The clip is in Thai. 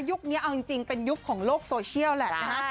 นี้เอาจริงเป็นยุคของโลกโซเชียลแหละนะฮะ